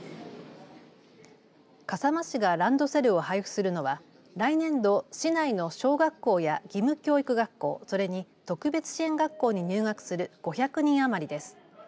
笠間市がランドセルを配布するのは来年度市内の小学校や義務教育学校それに特別支援学校に入学する５００人余りです。